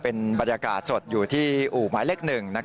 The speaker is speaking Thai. เป็นบรรยากาศสดอยู่ที่อู่หมายเลข๑